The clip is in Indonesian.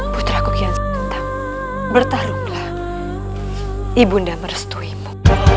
puteraku kian sentang bertarunglah ibunda merestuimu